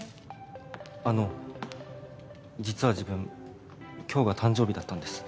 あの実は自分今日が誕生日だったんです。